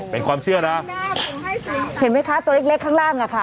เป็นความเชื่อนะเห็นไหมคะตัวเล็กข้างล่างอะค่ะ